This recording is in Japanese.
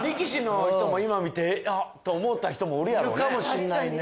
いるかもしんないね。